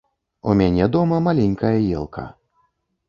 У мяне дома маленькая ёлка.